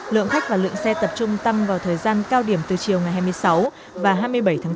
lượng khách và lượng xe tập trung tăng vào thời gian cao điểm từ chiều ngày hai mươi sáu và hai mươi bảy tháng bốn